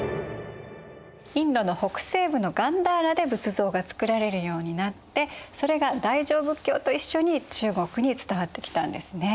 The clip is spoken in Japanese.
インドの北西部のガンダーラで仏像が作られるようになってそれが大乗仏教と一緒に中国に伝わってきたんですね。